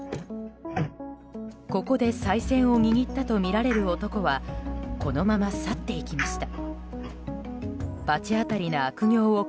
ここでさい銭を握ったとみられる男はこのまま去っていきました。